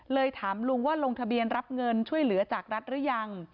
ถามลุงว่าลงทะเบียนรับเงินช่วยเหลือจากรัฐหรือยัง